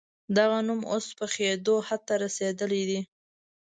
دغه نوم اوس پخېدو حد ته رسېدلی دی.